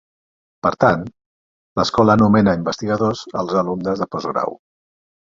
Per tant, l'escola anomena "investigadors" els alumnes de post-grau.